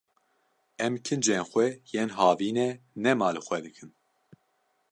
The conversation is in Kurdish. Em kincên xwe yên havînê nema li xwe dikin.